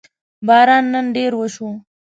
باران نن ډېر وشو